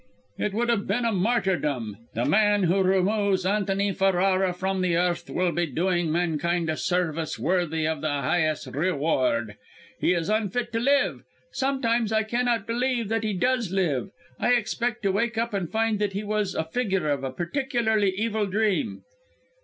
"It would have been a martyrdom. The man who removes Antony Ferrara from the earth will be doing mankind a service worthy of the highest reward. He is unfit to live. Sometimes I cannot believe that he does live; I expect to wake up and find that he was a figure of a particularly evil dream."